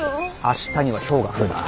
明日にはひょうが降るな。